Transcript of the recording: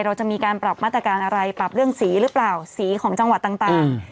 เราจะมีการปรับมาตรการอะไรปรับเรื่องสีหรือเปล่าสีของจังหวัดต่าง